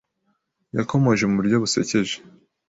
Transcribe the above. Yakomoje mu buryo busekeje